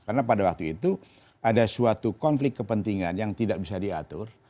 karena pada waktu itu ada suatu konflik kepentingan yang tidak bisa diatur